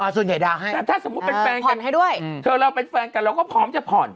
สูญใยดาวให้ธรรมชาติถ้าสมมุติเป็นแฟนกันถ้าเราเป็นแฟนกันเราก็พร้อมจะผ่อน